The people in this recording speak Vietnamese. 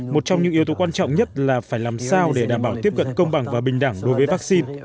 một trong những yếu tố quan trọng nhất là phải làm sao để đảm bảo tiếp cận công bằng và bình đẳng đối với vaccine